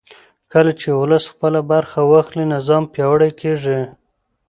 کله چې ولس خپله برخه واخلي نظام پیاوړی کېږي